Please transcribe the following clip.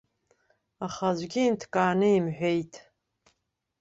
Аха аӡәгьы инҭкааны имҳәеит.